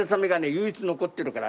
唯一残ってるから。